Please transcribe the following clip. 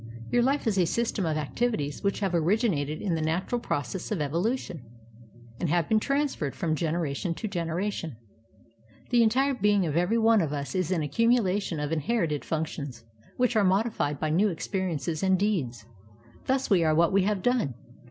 Your Uf e is a system of many acti\ities which have originated in the natural process of evolution, and have been transferred from generation to generation. The entire being of ever\' one of us is an accumulation of inherited fimctions which are modified by new experiences and deeds. Thus we are what we have done.